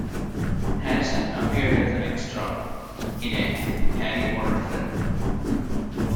Harrison appeared as an extra in a Harry Potter film.